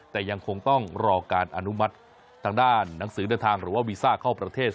แต่ยังคงต้องรอการอนุมัติทางด้านหนังสือเดินทางหรือว่าวีซ่าเข้าประเทศ